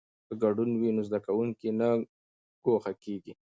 که ګډون وي نو زده کوونکی نه ګوښه کیږي.